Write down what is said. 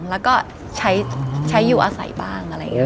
แล้วก็ใช้อยู่อาศัยบ้างอะไรอย่างนี้